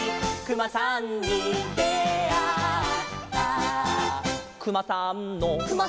「くまさんの」